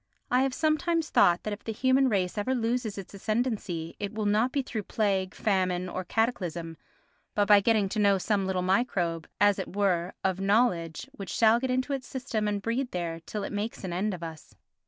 I have sometimes thought that if the human race ever loses its ascendancy it will not be through plague, famine or cataclysm, but by getting to know some little microbe, as it were, of knowledge which shall get into its system and breed there till it makes an end of us.